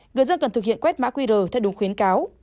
người dân cần thực hiện quét mã qr theo đúng khuyến cáo